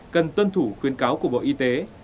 cần tuân thủ khuyến cáo của bộ y tế